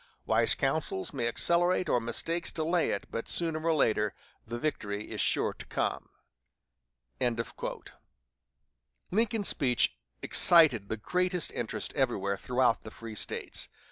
Wise counsels may accelerate or mistakes delay it, but, sooner or later, the victory is sure to come." Lincoln's speech excited the greatest interest everywhere throughout the free States.